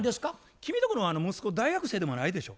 君とこの息子大学生でもないでしょ？